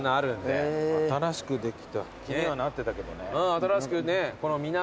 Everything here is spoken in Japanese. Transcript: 新しくね。